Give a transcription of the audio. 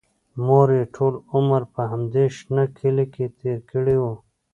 مور یې ټول عمر په همدې شنه کلي کې تېر کړی و